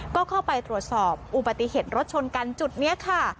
ก็เข้าไปตรวจสอบอุบัติเหตุรถชนกันจุดนี้ค่ะ